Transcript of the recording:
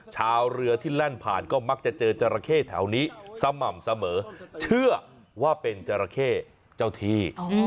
ชาวเรือที่แล่นผ่านก็มักจะเจอจราเข้แถวนี้สม่ำเสมอเชื่อว่าเป็นจราเข้เจ้าที่